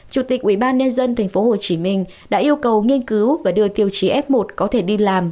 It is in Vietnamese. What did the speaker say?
chủ tịch ubnd tp hcm đã yêu cầu nghiên cứu và đưa tiêu chí f một có thể đi làm